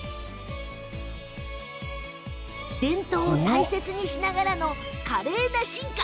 伝統を大切にしながらの華麗な進化。